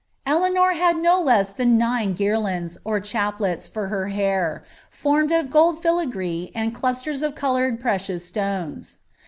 Eleanor had no less than nine guirlands, or chaplets,' for her hair, formed of gold filagree and clusters of coloured precious stones.